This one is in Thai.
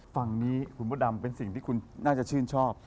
ฝั่งนี้คุณพ่อดำเป็นสิ่งที่คุณน่าจะชื่นชอบ